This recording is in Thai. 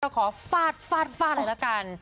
เดี๋ยวขอฝาดอะไรละกัน